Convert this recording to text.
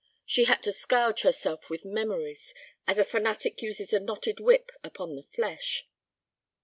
She had to scourge herself with memories, as a fanatic uses a knotted whip upon the flesh.